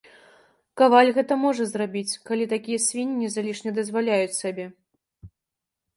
Каваль гэта можа зрабіць, калі такія свінні залішне дазваляюць сабе.